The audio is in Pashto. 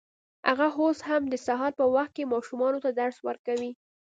هغه اوس هم د سهار په وخت کې ماشومانو ته درس ورکوي